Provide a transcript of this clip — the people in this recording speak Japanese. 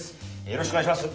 よろしくお願いします。